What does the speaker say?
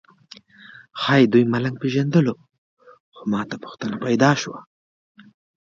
ښایي دوی ملنګ پېژندلو خو ماته پوښتنه پیدا شوه.